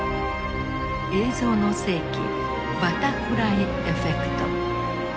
「映像の世紀バタフライエフェクト」。